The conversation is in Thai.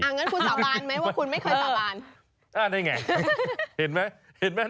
อย่างนั้นคุณสาบานไหมว่าคุณไม่เคยสาบาน